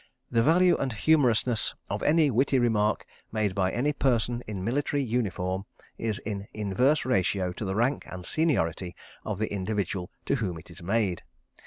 _The value and humorousness of any witty remark made by any person in military uniform is in inverse ratio to the rank and seniority of the individual to whom it is made_.